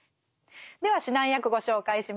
では指南役ご紹介します。